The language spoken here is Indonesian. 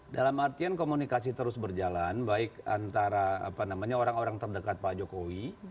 dalam artian komunikasi terus berjalan baik antara orang orang terdekat pak jokowi